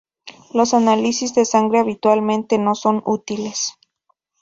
Los análisis de sangre habitualmente no son útiles.